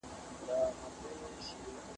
جامې ستاسو شخصيت نه دی.